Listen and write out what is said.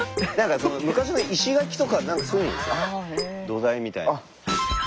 昔の石垣とか何かそういうのでしょ土台みたいな。